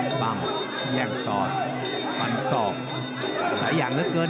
กั้นปัทำแหล่งสอด